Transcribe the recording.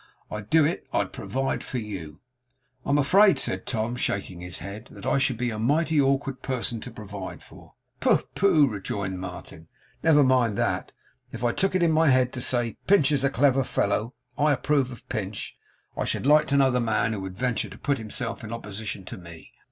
'I'd do it. I'd provide for you.' 'I am afraid,' said Tom, shaking his head, 'that I should be a mighty awkward person to provide for.' 'Pooh, pooh!' rejoined Martin. 'Never mind that. If I took it in my head to say, "Pinch is a clever fellow; I approve of Pinch;" I should like to know the man who would venture to put himself in opposition to me.